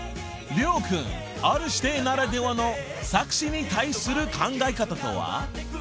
Ｒ−指定ならではの作詞に対する考え方とは］